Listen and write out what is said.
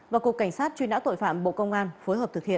và cục cảnh sát truy nã tội phạm bộ công an phối hợp thực hiện